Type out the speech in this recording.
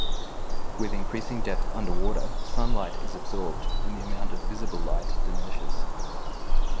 With increasing depth underwater, sunlight is absorbed, and the amount of visible light diminishes.